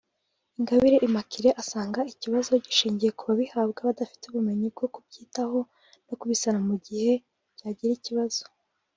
Ingabire Marie Immacule asanga ikibazo gishingiye ku babihabwa badafite ubumenyi bwo kubyitaho no kubisana mu gihe byagira ikibazo